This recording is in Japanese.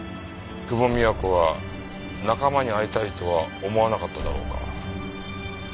久保美也子は仲間に会いたいとは思わなかっただろうか。